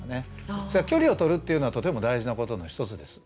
距離を取るっていうのはとても大事なことの一つです。